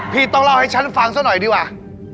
พี่ต้องเล่าให้ฉันฟังซะหน่อยดีกว่า